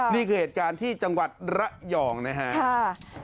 นี่คือเหตุการณ์ที่จังหวัดระยองนะครับ